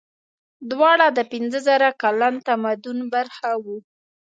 دواړه د پنځه زره کلن تمدن برخه وو.